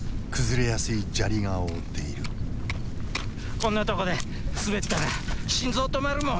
こんなとこで滑ったら心臓止まるもん！